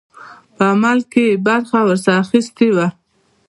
په عمل کې یې برخه ورسره اخیستې وه.